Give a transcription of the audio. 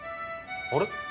あれ？